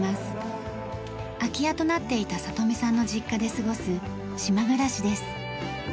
空き家となっていた聡美さんの実家で過ごす島暮らしです。